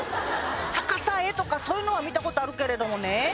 逆さ絵とかそういうのは見たことあるけれどもね